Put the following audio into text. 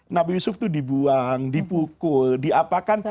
nabi yusuf itu dibuang dipukul diapakan